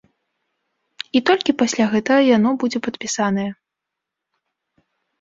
І толькі пасля гэтага яно будзе падпісанае.